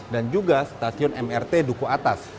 dan juga stasiun mrt duku atas